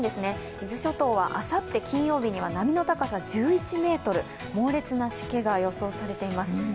伊豆諸島はあさって金曜日には波の高さ１１ｍ猛烈なしけが予想されています。